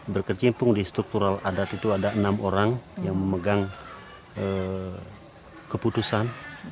berkecimpung di struktural adat itu ada enam orang yang memegang keputusan